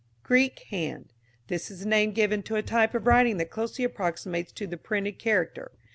Greek Hand. This is the name given to a type of writing that closely approximates to the printed character.